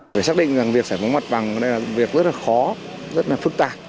phải xác định rằng việc giải phóng mặt bằng đây là việc rất là khó rất là phức tạp